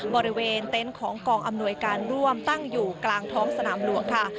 บริเวณเต็นต์ของกองอำนวยการร่วมตั้งอยู่กลางท้องสนามหลวงค่ะ